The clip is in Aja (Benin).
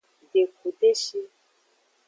Deku deshi.